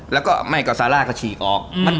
แล้วก็ไม่ก็ซาร่าก็ฉีกออก